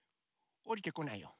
おりてこないよ。